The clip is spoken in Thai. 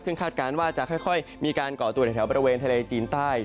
ซึ่งคาดการณ์ว่าจะค่อยมีการก่อตัวในแถวบริเวณทะเลจีนใต้